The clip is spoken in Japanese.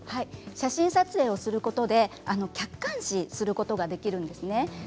写真撮影することで客観視することができるんです。